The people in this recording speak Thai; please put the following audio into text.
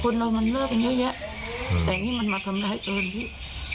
คนเรามันเลิกกันเยอะแยะแต่นี่มันมาทำร้ายเกินพี่